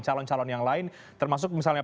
calon calon yang lain termasuk misalnya